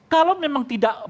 kalau memang tidak